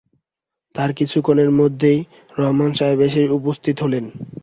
তার কিছুক্ষণের মধ্যেই রহমান সাহেব এসে উপস্থিত হলেন।